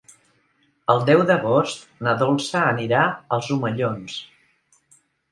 El deu d'agost na Dolça anirà als Omellons.